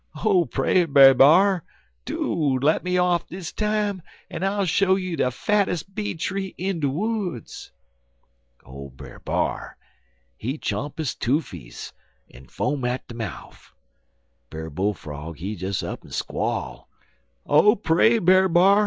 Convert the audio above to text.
Oh, pray, Brer B'ar! do lemme off dis time, en I'll show you de fattes' bee tree in de woods.' "Ole Brer B'ar, he chomp his toofies en foam at de mouf. Brer Bull frog he des up'n squall: "'Oh, pray, Brer B'ar!